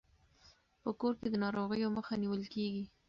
په کور کې د ناروغیو مخه نیول کیږي.